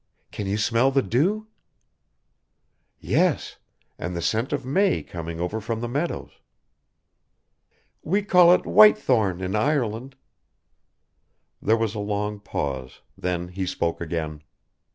Can you smell the dew?" "Yes, and the scent of may coming over from the meadows." "We call it whitethorn in Ireland." There was a long pause, then he spoke again.